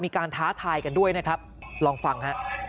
ท้าทายกันด้วยนะครับลองฟังฮะ